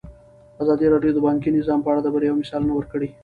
ازادي راډیو د بانکي نظام په اړه د بریاوو مثالونه ورکړي.